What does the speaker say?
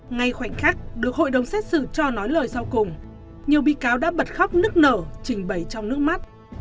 ngay khoảnh khắc được hội đồng xét xử cho nói lời sau cùng nhiều bị cáo đã bật khóc nức nở trình bày trong nước mắt